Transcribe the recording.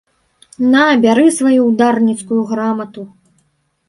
На, бяры сваю ўдарніцкую грамату.